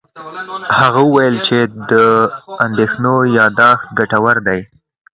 هغه وویل چې د اندېښنو یاداښت ګټور دی.